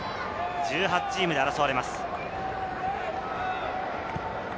１８チームで争われます。